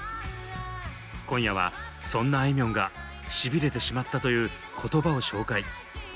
今夜はそんなあいみょんがシビれてしまったという言葉を紹介。